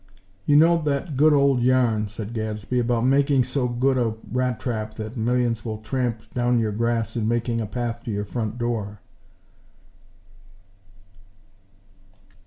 "You know that good old yarn," said Gadsby, "about making so good a rat trap that millions will tramp down your grass in making a path to your front door."